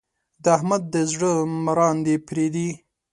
د احمد د زړه مراندې پرې دي.